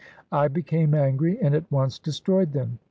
I became angry and at once destroyed them.